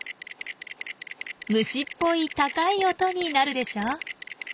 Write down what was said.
虫っぽい高い音になるでしょ？